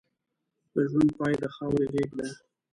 د ژوند پای د خاورې غېږه ده.